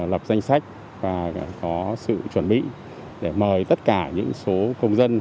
lập danh sách và có sự chuẩn bị để mời tất cả những số công dân